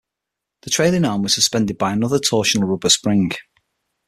The trailing arm was suspended by another torsional rubber spring.